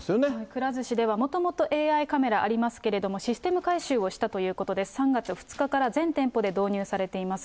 くら寿司ではもともとＡＩカメラありますけれども、システム改修をしたということで、３月２日から全店舗で導入されています。